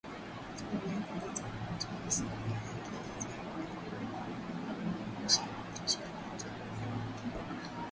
kuonyesha jinsi kupitia sanaa yake jinsi angependa kuhamasisha motisha kati ya vijana wa Tanzania